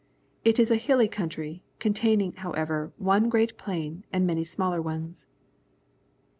It is a hiUy country, containing, however, one great plain and many smaller ones.